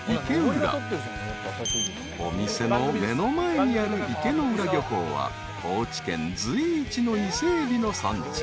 ［お店の目の前にある池ノ浦漁港は高知県随一の伊勢エビの産地］